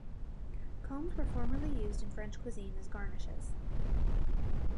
Combs were formerly used in French cuisine as garnishes.